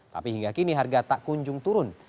tapi hingga kini harga tak kunjung turun